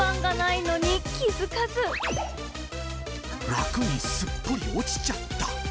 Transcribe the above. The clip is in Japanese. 枠にすっぽり落ちちゃった。